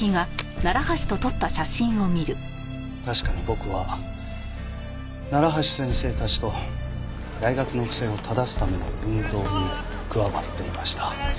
確かに僕は楢橋先生たちと大学の不正をただすための運動に加わっていました。